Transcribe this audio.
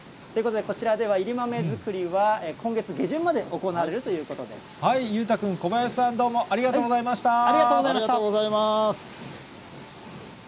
ということで、こちらではいり豆作りは、今月下旬まで行われると裕太君、小林さん、どうもあありがとうございました。